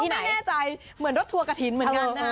พี่สังก็ไม่แน่ใจเหมือนรถทัวกะถิ่นเหมือนกันนะ